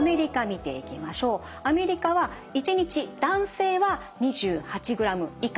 アメリカは１日男性は２８グラム以下